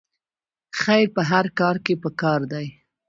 خیر په هر کار کې پکار دی